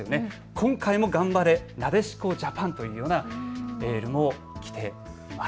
今回も頑張れ、なでしこジャパン！というようなものも来ています。